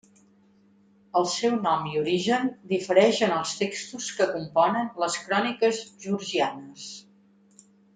El seu nom i origen difereix en els textos que componen les cròniques georgianes.